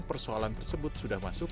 persoalan tersebut sudah masuk